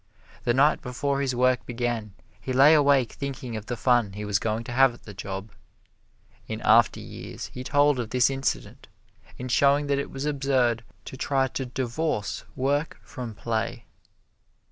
The night before his work began he lay awake thinking of the fun he was going to have at the job. In after years he told of this incident in showing that it was absurd to try to divorce work from play.